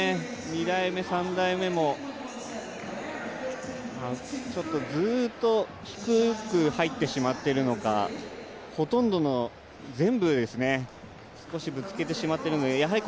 ２台目、３台目もちょっとずっと低く入ってしまっているのか、ほとんどの全部、少しぶつけてしまっているのでやはり